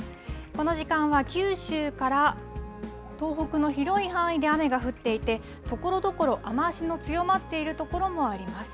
この時間は九州から東北の広い範囲で雨が降っていて、ところどころ、雨足の強まっている所もあります。